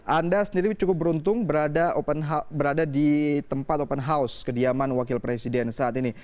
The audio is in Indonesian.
anda sendiri cukup beruntung berada di tempat open house kediaman wakil presiden saat ini